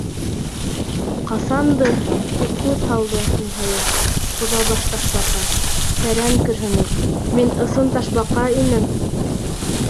—Ҡасандыр, —тип һүҙ һалды, ниһайәт, Быҙаубаш Ташбаҡа, тәрән көрһөнөп, —мин ысын Ташбаҡа инем.